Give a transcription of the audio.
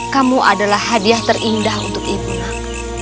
kamu adalah hadiah terindah untuk ibu nak